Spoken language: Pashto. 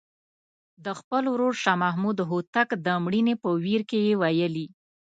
د خپل ورور شاه محمود هوتک د مړینې په ویر کې یې ویلي.